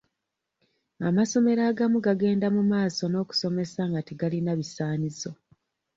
Amasomero agamu gagenda mumaaso n'okusomesa nga tegalina bisaanyizo.